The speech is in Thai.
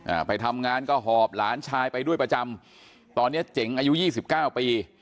อ่าไปทำงานก็หอบหลานชายไปด้วยประจำตอนเนี้ยเจ๋งอายุยี่สิบเก้าปี